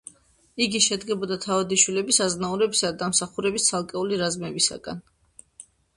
იგი შედგებოდა თავადიშვილების, აზნაურებისა დამსახურების ცალკეული რაზმებისაგან.